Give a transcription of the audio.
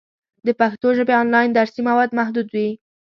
د پښتو ژبې آنلاین درسي مواد محدود دي.